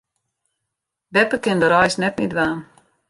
Beppe kin de reis net mear dwaan.